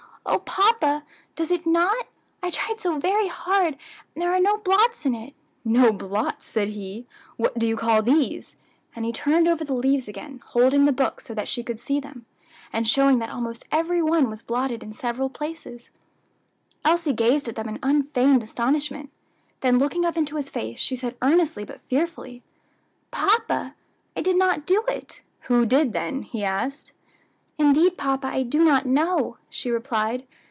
"O papa! does it not? I tried so very hard; and there are no blots in it." "No blots?" said he; "what do you call these?" and he turned over the leaves again, holding the book so that she could see them, and showing that almost every one was blotted in several places. Elsie gazed at them in unfeigned astonishment; then looking up into his face, she said earnestly but fearfully, "Papa, I did not do it." "Who did, then?" he asked. "Indeed, papa, I do not know," she replied.